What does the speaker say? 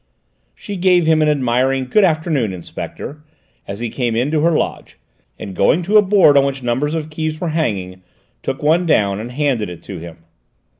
She gave him an admiring "good afternoon, Inspector," as he came into her lodge, and going to a board on which numbers of keys were hanging, took one down and handed it to him.